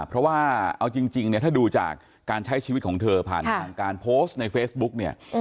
เพราะว่าเอาจริงเนี่ยถ้าดูจากการใช้ชีวิตของเธอผ่านทางการโพสต์ในเฟซบุ๊กเนี่ย